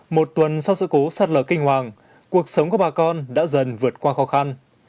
một tuần sau sự cố sạt lở kinh hoàng cuộc sống của bà con đã dần vượt qua khó khăn